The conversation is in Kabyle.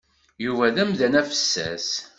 Yuba d amdan afessas.